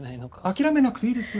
諦めなくていいですよ。